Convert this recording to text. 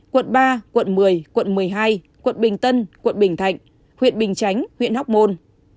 quận ba quận một mươi quận một mươi hai quận bình tân quận bình thạnh huyện bình chánh huyện hóc môn